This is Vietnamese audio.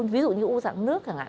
ví dụ như u dạng nước chẳng hạn